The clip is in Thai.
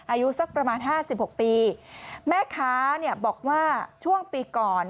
อายุสักประมาณห้าสิบหกปีแม่ค้าเนี่ยบอกว่าช่วงปีก่อน